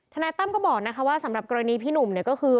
ธนายตั้มก็บอกว่าสำหรับกรณีพี่หนุ่มคือ